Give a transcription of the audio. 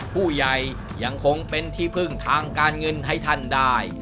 ผู้ใหญ่ยังคงเป็นที่พึ่งทางการเงินให้ท่านได้